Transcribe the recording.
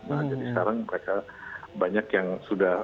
nah jadi sekarang mereka banyak yang sudah